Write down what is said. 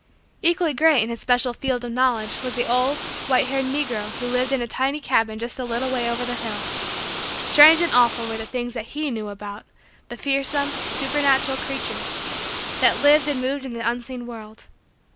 Equally great in his special field of knowledge was the old, white haired, negro who lived in a tiny cabin just a little way over the hill. Strange and awful were the things that he knew about the fearsome, supernatural, creatures, that lived and moved in the unseen world.